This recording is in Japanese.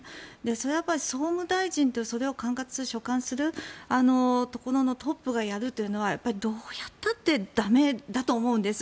それを総務大臣それを管轄する所管するところのトップがやるというのはどうやったって駄目だと思うんです。